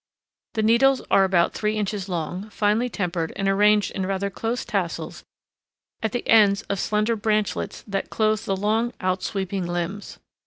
The needles are about three inches long, finely tempered and arranged in rather close tassels at the ends of slender branchlets that clothe the long, outsweeping limbs.